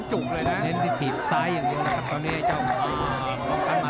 จะถีบซ้ายอย่างนี้แล้วค่ะ